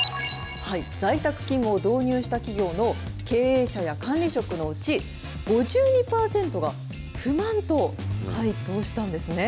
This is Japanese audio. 在宅勤務を導入した企業の経営者や管理職のうち、５２％が不満と回答したんですね。